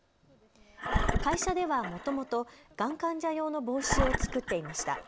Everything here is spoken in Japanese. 会社ではもともとがん患者用の帽子を作っていました。